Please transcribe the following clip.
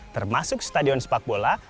termasuk stadion sepak bola